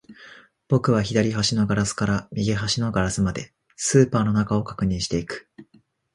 僕は左端のガラスから右端のガラスまで、スーパーの中を確認していく